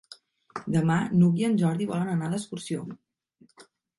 Demà n'Hug i en Jordi volen anar d'excursió.